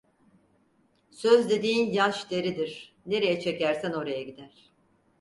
Söz dediğin yaş deridir, nereye çekersen oraya gider.